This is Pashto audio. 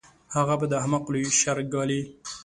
هغه به د احمق لوی شر ګالي.